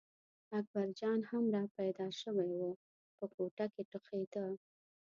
اکبرجان هم را پیدا شوی و په کوټه کې ټوخېده.